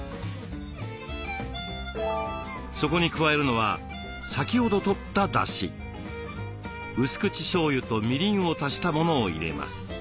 そこに加えるのは先ほどとっただしうす口しょうゆとみりんを足したものを入れます。